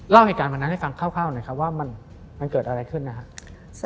เล่าเหตุการณ์วันนั้นให้ฟังคร่าวหน่อยครับว่ามันเกิดอะไรขึ้นนะครับ